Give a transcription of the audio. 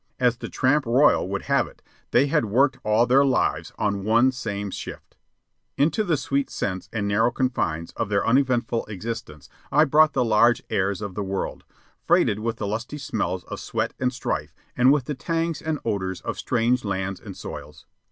As the "Tramp Royal" would have it, they had worked all their lives "on one same shift." Into the sweet scents and narrow confines of their uneventful existence I brought the large airs of the world, freighted with the lusty smells of sweat and strife, and with the tangs and odors of strange lands and soils.